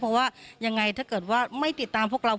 เพราะว่ายังไงถ้าเกิดว่าไม่ติดตามพวกเรา